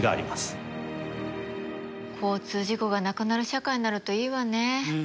交通事故がなくなる社会になるといいわね。